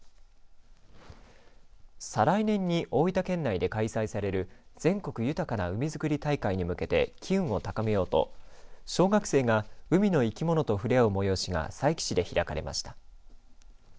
再来年に大分県内で開催される全国豊かな海づくり大会に向けて機運を高めようと小学生が海の生き物と触れ合う催しが佐伯市で開かれました。